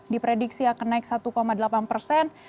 di prediksi akan naik satu delapan persen